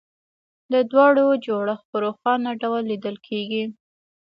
د دواړو جوړښت په روښانه ډول لیدل کېږي